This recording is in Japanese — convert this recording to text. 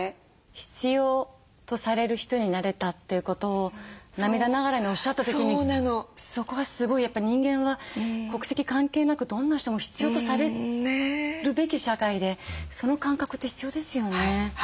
必要とされる人になれたということを涙ながらにおっしゃった時にそこがすごいやっぱ人間は国籍関係なくどんな人も必要とされるべき社会でその感覚って必要ですよね。